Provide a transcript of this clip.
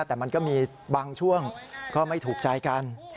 แต่มันก็มีบางช่วงก็ไม่ถูกใจกัน